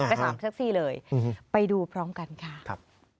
ไปถามแท็กซี่เลยไปดูพร้อมกันค่ะ